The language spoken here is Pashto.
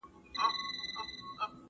هغه څوک چي درس لولي بريالی کيږي!؟